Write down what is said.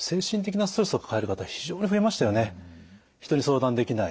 人に相談できない。